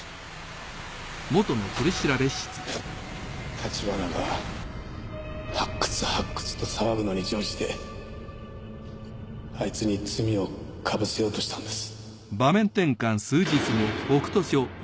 立花が発掘発掘と騒ぐのに乗じてあいつに罪を被せようとしたんです。